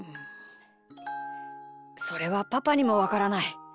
それはパパにもわからない。